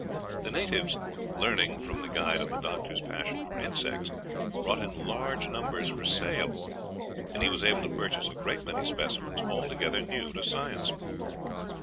The natives, learning from the guide of the doctor's passion for insects, brought in large numbers for sale, and he was able to purchase a great many specimens altogether new to science.